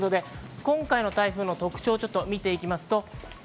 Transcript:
今回の台風の特徴を見ていきます。